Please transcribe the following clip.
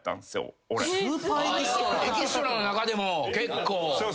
エキストラの中でも結構売れっ子で？